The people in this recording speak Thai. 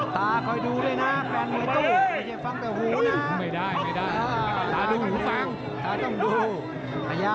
ต้องระวังเก็บอำนวยแค่หูขวา